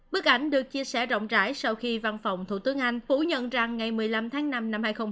bức ảnh được chia sẻ rộng rãi sau khi văn phòng thủ tướng anh phủ nhận rằng ngày một mươi năm tháng năm năm hai nghìn hai mươi